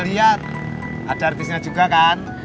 lihat ada artisnya juga kan